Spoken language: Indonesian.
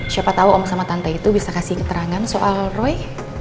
siapa tahu om sama tante itu bisa kasih keterangan soal roy